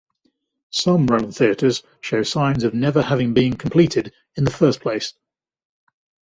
Some Roman theatres show signs of never having been completed in the first place.